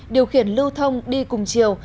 điều khiển lưu thông đi cùng chiều